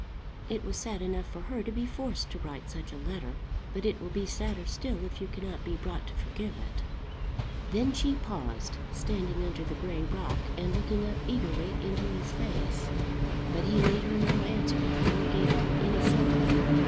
It was sad enough for her to be forced to write such a letter, but it will be sadder still if you cannot be brought to forgive it." Then she paused, standing under the gray rock and looking up eagerly into his face. But he made her no answer, nor gave her any sign.